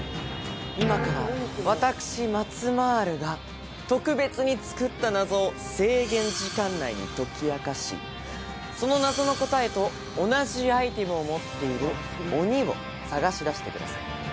今から私、マツマルが特別に作った謎を制限時間内に解き明かし、その謎の答えと同じアイテムを持っている鬼を探し出してください。